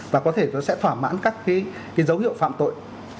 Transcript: và có thể nó sẽ thỏa mãn các cái dấu hiệu phạm tội